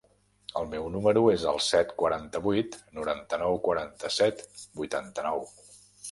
El meu número es el set, quaranta-vuit, noranta-nou, quaranta-set, vuitanta-nou.